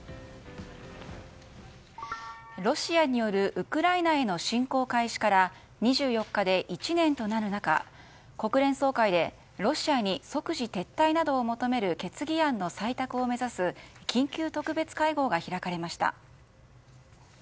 ロシアによるウクライナへの侵攻開始から２４日で１年となる中国連総会でロシアに即時撤退などを求める決議案の採択を目指す緊急特別会合が開かれました。